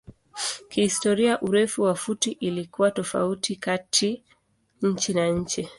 Kihistoria urefu wa futi ilikuwa tofauti kati nchi na nchi.